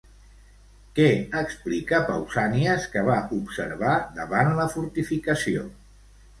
Què explica Pausànies que va observar davant la fortificació?